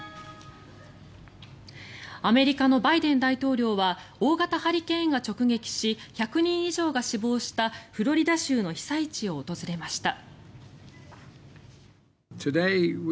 アメリカのバイデン大統領は大型ハリケーンが直撃し１００人以上が死亡したフロリダ州の被災地を訪れました。